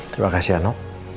terima kasih ano